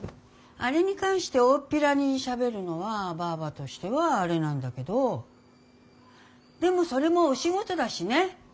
アレに関しておおっぴらにしゃべるのはバァバとしてはアレなんだけどでもそれもお仕事だしね。